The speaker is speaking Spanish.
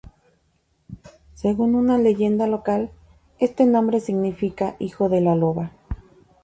Según una leyenda local, este nombre significa "hijo de la loba".